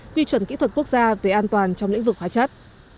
quy chuẩn kỹ thuật quốc gia về an toàn trong lĩnh vực hóa chất